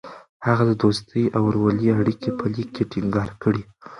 هغه د دوستۍ او ورورولۍ اړیکې په لیک کې ټینګار کړې.